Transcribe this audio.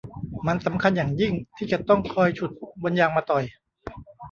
มันสำคัญอย่างยิ่งที่จะต้องคอยฉุดบนยางมะตอย